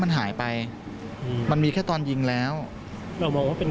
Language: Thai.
มันหายไปอืมมันมีแค่ตอนยิงแล้วเราบอกว่าเป็น